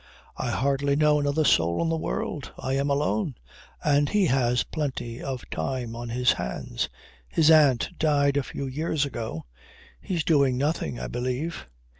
I hardly know another soul in the world. I am alone. And he has plenty of time on his hands. His aunt died a few years ago. He's doing nothing, I believe."